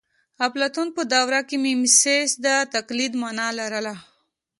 اپلاتون په دوره کې میمیسیس د تقلید مانا لرله